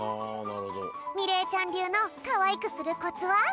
みれいちゃんりゅうのかわいくするコツは？